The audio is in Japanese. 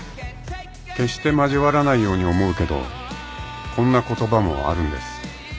［決して交わらないように思うけどこんな言葉もあるんです］